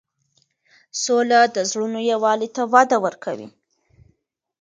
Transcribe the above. سوله د زړونو یووالی ته وده ورکوي.